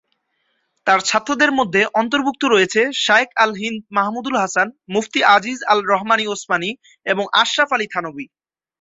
তাঁর ছাত্রদের মধ্যে অন্তর্ভুক্ত রয়েছে, শায়খ আল-হিন্দ মাহমুদুল হাসান, মুফতি আজিজ আল-রহমান উসমানী এবং আশরাফ আলী থানভী।